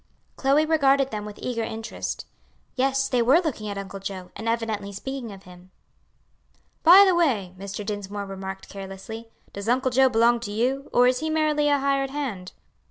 Chloe regarded them with eager interest; yes, they were looking at Uncle Joe, and evidently speaking of him. "By the way," Mr. Dinsmore remarked carelessly, "does Uncle Joe belong to you? or is he merely a hired hand?"